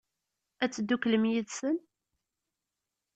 Ad tedduklem yid-sen?